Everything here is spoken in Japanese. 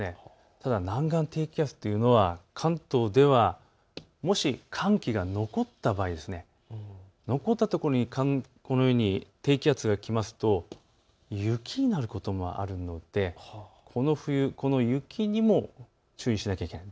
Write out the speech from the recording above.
ただ南岸低気圧というのは関東ではもし寒気が残ったところにこのように低気圧が来ますと雪になることもあるのでこの冬、この雪にも注意しなきゃいけない。